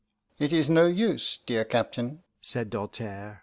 "It is no use, dear Captain," said Doltaire.